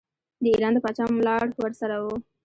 د ایران د پاچا ملاړ ورسره وو.